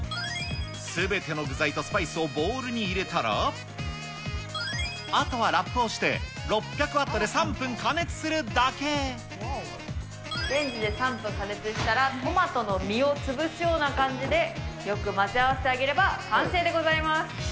すべての具材とスパイスをボウルに入れたら、あとはラップをして、レンジで３分加熱したら、トマトの実を潰すような感じで、よく混ぜ合わせてあげれば完成でございます。